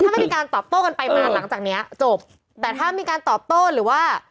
ถ้าไม่มีการตอบโต้กันไปมาหลังจากเนี้ยจบแต่ถ้ามีการตอบโต้หรือว่า